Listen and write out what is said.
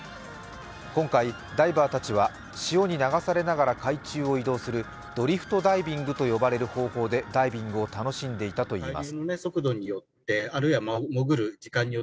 今回、ダイバーたちは潮に流されながら海中を移動するドリフトダイビングと呼ばれる方法でダイビングを楽しんでいたといいます。